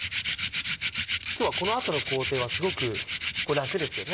今日はこの後の工程はすごく楽ですよね。